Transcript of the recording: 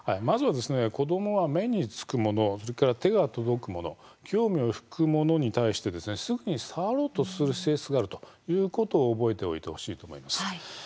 まずは子どもは目につくもの、それから手に届くもの興味を引くものに対してすぐに触ろうとする性質があるということを覚えておいてほしいと思います。